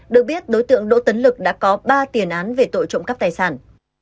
được biết đối tượng đỗ tấn lực đã có ba tiền án về tội trộm cắp tài sản